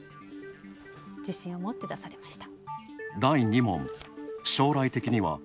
自信を持って出されました。